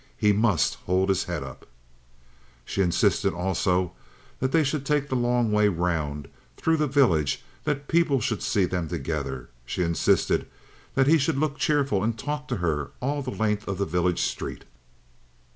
He must hold his head up. She insisted also that they should take the long way round, through the village; that people should see them together. She insisted that he should look cheerful, and talk to her all the length of the village street.